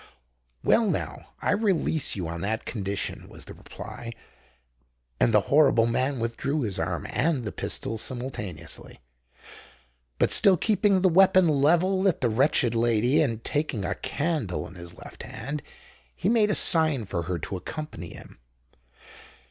"Well—now I release you on that condition," was the reply: and the horrible man withdrew his arm and the pistol simultaneously. But still keeping the weapon levelled at the wretched lady, and taking a candle in his left hand, he made a sign for her to accompany him.